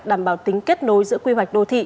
đảm bảo tính kết nối giữa quy hoạch đô thị